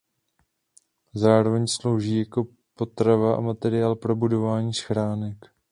Zároveň slouží jako potrava a materiál pro budování schránek.